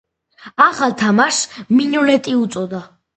ახალ თამაშს „მინონეტი“ უწოდა.